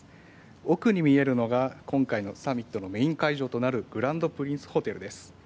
奥に見えるのが今回のサミットのメイン会場となるグランドプリンスホテルです。